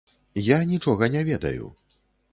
Я нічога не ведаю!